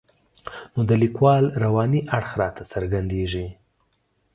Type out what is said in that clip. نو د لیکوال رواني اړخ راته څرګندېږي.